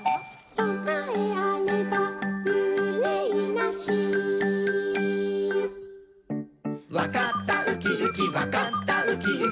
「そなえあればうれいなし」「わかったウキウキわかったウキウキ」